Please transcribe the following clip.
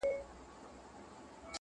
اوس مي له هري لاري پښه ماته ده~